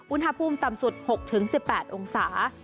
อุณหภูมิต่ำสุด๖๑๘องศา